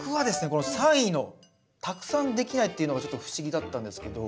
この３位の「たくさんできない」っていうのがちょっと不思議だったんですけど。